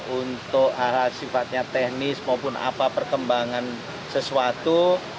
untuk arah sifatnya teknis maupun apa perkembangan sesuatu